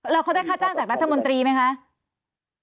แล้วเขาได้ค่าจ้างจากรัฐมนตรีไหมคะ